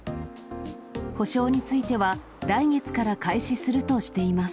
補償については、来月から開始するとしています。